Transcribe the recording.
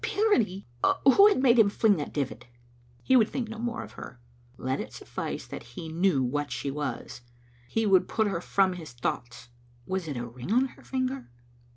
Purity ! Who had made him fling that divit? He would think no more of her. Let it su£Sce that he knew what she was. He would put her from his thoughts. Was it a ring on her finger?